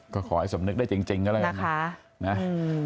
ก็ขอให้สำนึกได้จริงก็แล้วกัน